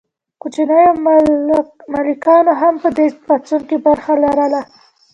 کوچنیو مالکانو هم په دې پاڅون کې برخه لرله.